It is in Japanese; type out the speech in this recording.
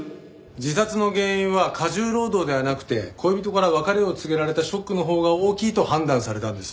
自殺の原因は過重労働ではなくて恋人から別れを告げられたショックのほうが大きいと判断されたんです。